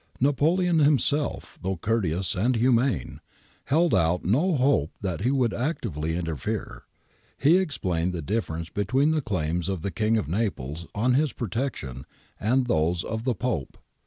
Napoleon himself, though courteous and humane, held out no hope that he would actively interfere. He ex plained the difference between the claims of the King of Naples on his protection and those of the Pope.